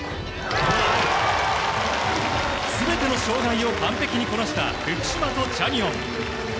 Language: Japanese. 全ての障害を完璧にこなした福島とチャニオン。